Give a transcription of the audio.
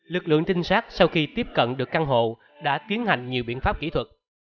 lực lượng trinh sát sau khi tiếp cận được căn hộ đã tiến hành nhiều biện pháp kỹ thuật